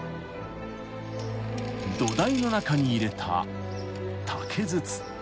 ［土台の中に入れた竹筒］